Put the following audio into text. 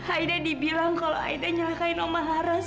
aida dibilang kalau aida nyalahkain om maharas